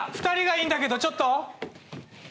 ２人がいいんだけどちょっと。